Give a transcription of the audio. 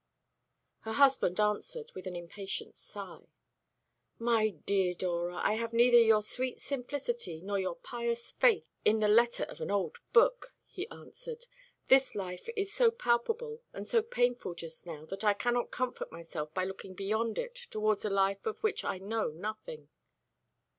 Her husband answered with an impatient sigh. "My dear Dora, I have neither your sweet simplicity nor your pious faith in the letter of an old book," he answered. "This life is so palpable and so painful just now, that I cannot comfort myself by looking beyond it towards a life of which I know nothing."